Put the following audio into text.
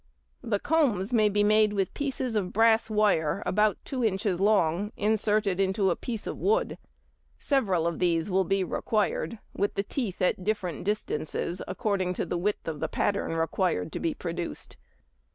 The combs may be made with pieces of brass wire about two inches long, inserted into a piece of wood; several of these will be required with the teeth at different distances, according to the width of the pattern required to be produced.